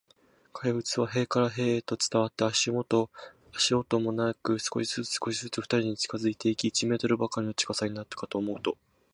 怪物は塀から塀へと伝わって、足音もなく、少しずつ、少しずつ、ふたりに近づいていき、一メートルばかりの近さになったかと思うと、